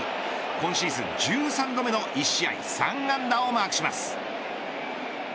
今シーズン１３度目の１試合３安打をマークします。